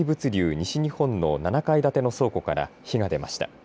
西日本の７階建ての倉庫から火が出ました。